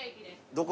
どこ？